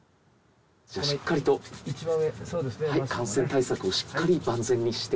しっかりと感染対策をしっかり万全にして。